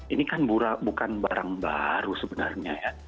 ini kan bukan barang baru sebenarnya ya